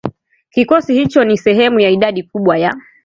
Kikosi hicho ni sehemu ya idadi kubwa ya